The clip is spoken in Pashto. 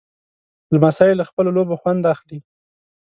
لمسی له خپلو لوبو خوند اخلي.